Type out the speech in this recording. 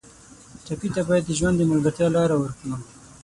ټپي ته باید د ژوند د ملګرتیا لاره ورکړو.